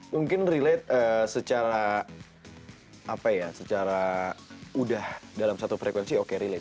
mungkin relate secara apa ya secara udah dalam satu frekuensi oke relate